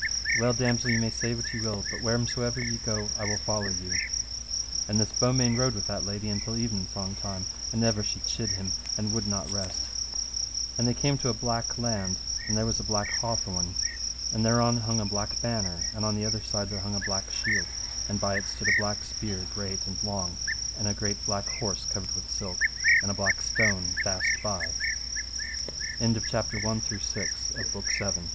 Well, damosel, ye may say what ye will, but wheresomever ye go I will follow you. So this Beaumains rode with that lady till evensong time, and ever she chid him, and would not rest. And they came to a black laund; and there was a black hawthorn, and thereon hung a black banner, and on the other side there hung a black shield, and by it stood a black spear great and long, and a great black horse covered with silk, a